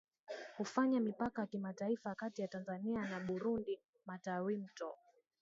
hufanya mipaka ya kimataifa kati ya Tanzania na BurundiMatawimto